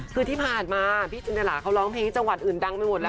คือที่ผ่านมาพี่จินตราเขาร้องเพลงที่จังหวัดอื่นดังไปหมดแล้ว